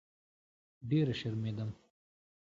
ډېره شرمېدم.